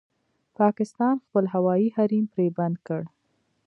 پاکستان خپل هوايي حريم پرې بند کړی